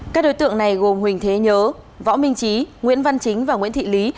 các đối tượng này gồm huỳnh thế nhớ võ minh trí nguyễn văn chính và nguyễn thị lý